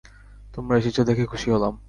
তোমরা এসেছ দেখে খুশি হলাম।